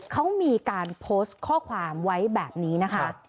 เขามีการโพสต์ข้อความไว้แบบนี้นะคะ